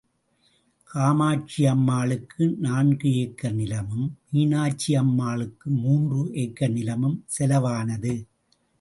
காமாட்சியம்மாளுக்கு நான்கு ஏக்கர் நிலமும், மீனாட்சியம்மாளுக்கு மூன்று ஏக்கர் நிலமும் செலவானது.